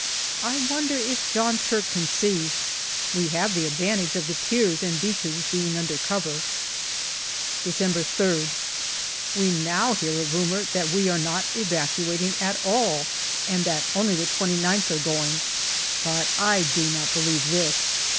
I wonder if John Turk can see. We have the advantage of the piers and beaches being under cover. DECEMBER 283 December 3rd. We now hear a rumour that we are not evacuating at all, and that only the 2gih are going, but I do not believe this.